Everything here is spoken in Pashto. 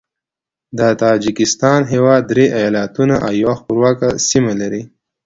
د تاجکستان هیواد درې ایالتونه او یوه خپلواکه سیمه لري.